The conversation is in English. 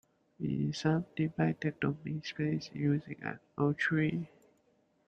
We subdivide the domain space using an octree.